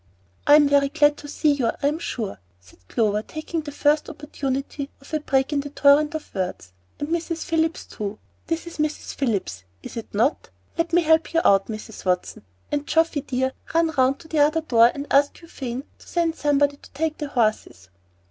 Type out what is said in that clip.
"I am very glad to see you, I am sure," said Clover, taking the first opportunity of a break in the torrent of words, "and Mrs. Phillips too, this is Mrs. Phillips, is it not? Let me help you out, Mrs. Watson, and Geoffy dear, run round to the other door and ask Euphane to send somebody to take the horses."